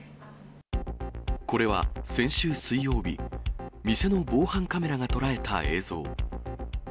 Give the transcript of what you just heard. これは、先週水曜日、店の防犯カメラが捉えた映像。